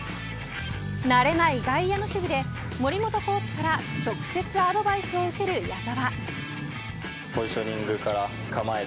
慣れない外野の守備で森本コーチから直接アドバイスを受ける矢澤。